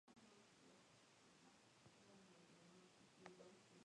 Tenía un extenso artículo de opinión que completaba con información remitida.